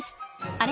あれ？